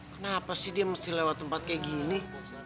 kenapa sih dia mesti lewat tempat kayak gini